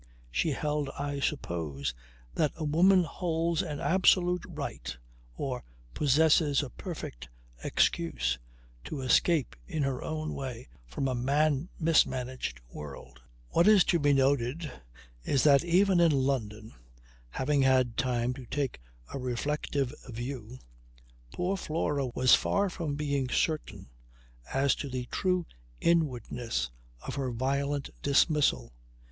She held, I suppose, that a woman holds an absolute right or possesses a perfect excuse to escape in her own way from a man mismanaged world. What is to be noted is that even in London, having had time to take a reflective view, poor Flora was far from being certain as to the true inwardness of her violent dismissal.